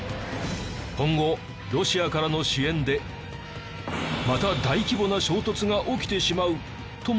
今後ロシアからの支援でまた大規模な衝突が起きてしまうともいわれているのです。